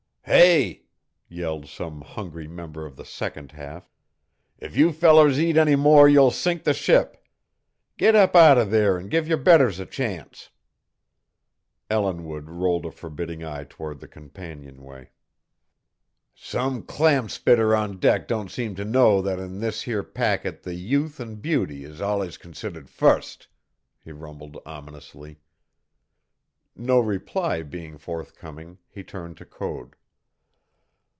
"Hey!" yelled some hungry member of the second half. "If you fellers eat any more you'll sink the ship. Get up out o' there an' give yer betters a chance!" Ellinwood rolled a forbidding eye toward the companionway. "Some clam splitter on deck don't seem to know that in this here packet the youth an' beauty is allus considered fust," he rumbled ominously. No reply being forthcoming, he turned to Code.